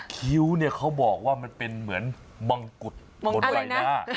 คิ้วเนี่ยเขาบอกว่ามันเป็นเหมือนมังกุฎบนใบหน้า